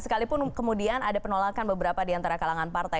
sekalipun kemudian ada penolakan beberapa diantara kalangan partai